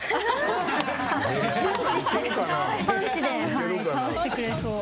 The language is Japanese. パンチで倒してくれそう。